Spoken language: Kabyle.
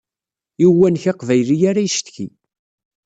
I uwanek aqbayli ara icetki.